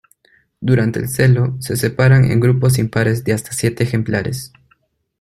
Durante el celo se separan en grupos impares de hasta siete ejemplares.